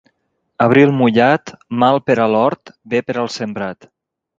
Abril mullat, mal per a l'hort, bé per al sembrat.